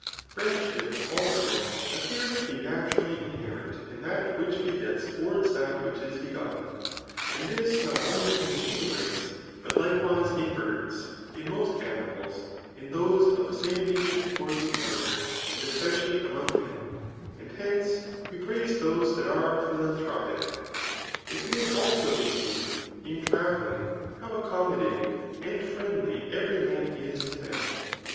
Friendship, also, appears to be naturally inherent in that which begets toward^ that which is begotten; and this not only in the human race, but likewise in birds, in most animals, in those of the same nation towards each other, and especially among men ; and hence, we praise those that are philanthropic; It may also be seen, in travelling, how accommodating and friendly every man is to man.